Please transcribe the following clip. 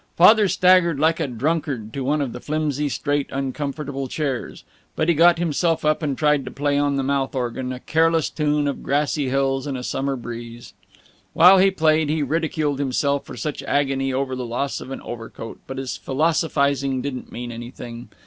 Father staggered like a drunkard to one of the flimsy, straight, uncomfortable chairs. But he got himself up and tried to play on the mouth organ a careless tune of grassy hills and a summer breeze. While he played he ridiculed himself for such agony over the loss of an overcoat, but his philosophizing didn't mean anything.